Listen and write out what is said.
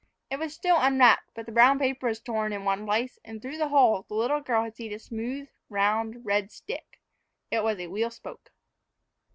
It was still unwrapped, but the brown paper was torn in one place, and through the hole the little girl had seen a smooth, round red stick. It was a wheel spoke.